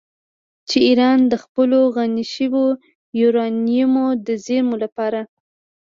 چې ایران د خپلو غني شویو یورانیمو د زیرمو لپاره